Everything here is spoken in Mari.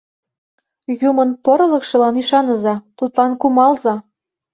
— Юмын порылыкшылан ӱшаныза, тудлан кумалза.